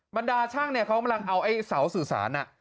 บรรดาช่างเนี่ยเขากำลังเอาไอ้เสาสื่อสาร